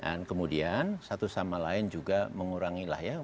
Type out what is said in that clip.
dan kemudian satu sama lain juga mengurangilah ya